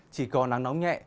chỉ có nắng nóng nhẹ